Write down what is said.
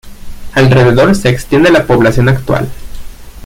Alrededor se extiende la población actual.